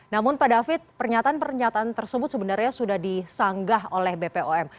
namun pak david pernyataan pernyataan tersebut sebenarnya sudah disanggah oleh bpom